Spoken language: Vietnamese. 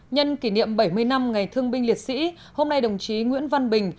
nhân kỷ niệm bảy mươi năm ngày thương binh liệt sĩ hôm nay đồng chí nguyễn văn bình